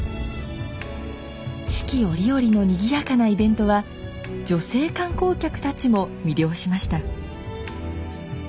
四季折々のにぎやかなイベントは女性観光客たちも魅了しました。